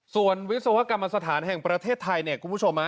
ส่วนวิศวกรรมสถานแห่งประเทศไทยเนี่ยคุณผู้ชม